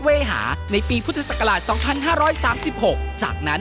มาลัยไทรรักษ์